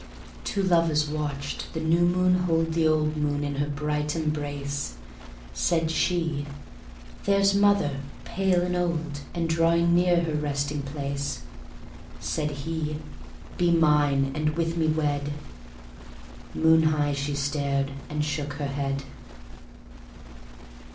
Two lovers watched the new moon hold The old moon in her bright embrace. Said she: "There's mother, pale and old, And drawing near her resting place." Said he: "Be mine, and with me wed," Moon high she stared ... she shook her head.